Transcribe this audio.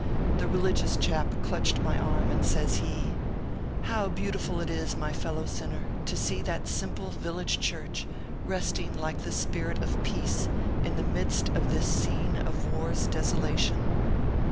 The relig ious chap clutched my arm, and says he :" How beautiful it is, my fellow sinner, to see that simple village church, resting like the spirit of Peace in the midst of this scene of war s desolation."